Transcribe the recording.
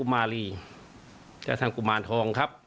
กุมารีจัดทำกุมารทองครับ